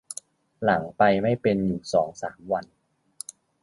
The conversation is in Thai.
หลังไปไม่เป็นอยู่สองสามวัน